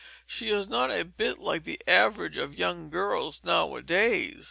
She is not a bit like the average of young girls nowadays.